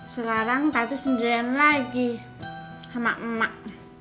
sekarang tadi sendirian lagi sama emak